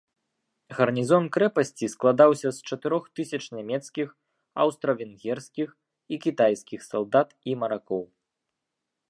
Гарнізон крэпасці складаўся з чатырох тысяч нямецкіх, аўстра-венгерскіх і кітайскіх салдат і маракоў.